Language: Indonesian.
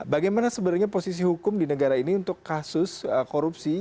bagaimana sebenarnya posisi hukum di negara ini untuk kasus korupsi